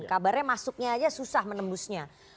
kabarnya masuknya aja susah menembusnya